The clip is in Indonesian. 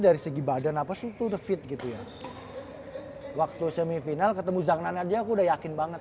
dari segi badan apa sukses fit gitu ya waktu semifinal ketemu zangnan aja udah yakin banget